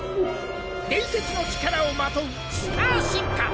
伝説の力をまとうスター進化。